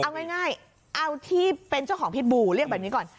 เอาง่ายเอาที่เป็นเจ้าของพิษบูเรียกแบบนี้ก่อน